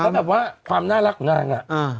แล้วแบบว่าความน่ารักของนางอะ